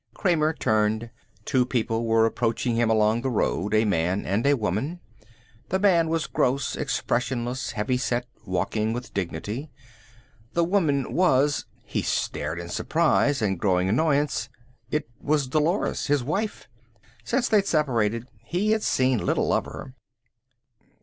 Kramer turned. Two people were approaching him along the road, a man and a woman. The man was Gross, expressionless, heavy set, walking with dignity. The woman was He stared in surprise and growing annoyance. It was Dolores, his wife. Since they'd separated he had seen little of her....